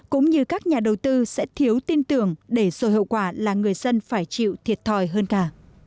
cũng như các nhà đầu tư sẽ thiếu tin tưởng để rồi hậu quả là người dân phải chịu thiệt thòi hơn cả